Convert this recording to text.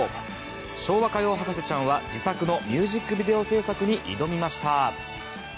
昭和歌謡博士ちゃんは自作のミュージックビデオ制作に挑みました。